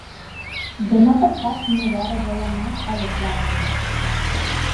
Demà passat na Lara vol anar a la platja.